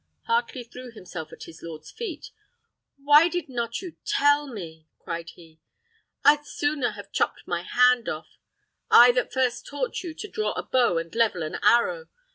Heartley threw himself at his lord's feet. "Why did not you tell me? Why did not you tell me?" cried he. "I'd sooner have chopped my hand off. I that first taught you to draw a bow and level an arrow!